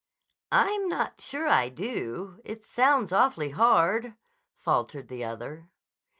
"I'm not sure I do. It sounds awfully hard," faltered the other.